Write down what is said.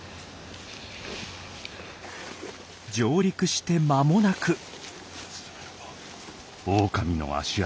上陸して間もなく。